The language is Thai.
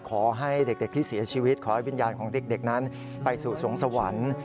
ขอให้เด็กที่เสียชีวิตขอให้วิญญาณของเด็กนั้นไปสู่สวงสวรรค์